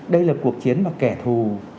đây là cuộc chiến mà kẻ thù